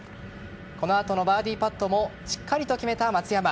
この後のバーディーパットもしっかりと決めた松山。